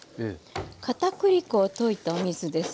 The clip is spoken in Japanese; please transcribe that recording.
かたくり粉を溶いたお水です。